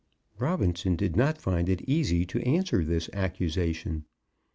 Robinson did not find it easy to answer this accusation.